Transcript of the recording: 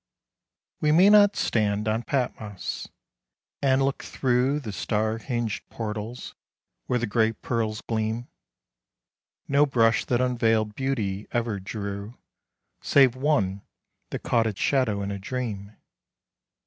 We may not stand on Patmos, and look through The star hinged portals where the great pearls gleam. No brush that unveiled beauty ever drew, Save one, that caught its shadow in a dream.